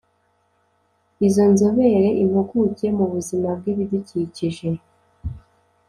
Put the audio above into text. Izo nzobere impuguke mu buzima bw ibidukikije